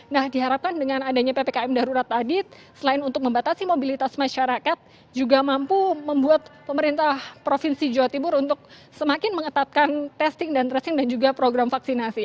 nah diharapkan dengan adanya ppkm darurat tadi selain untuk membatasi mobilitas masyarakat juga mampu membuat pemerintah provinsi jawa timur untuk semakin mengetatkan testing dan tracing dan juga program vaksinasi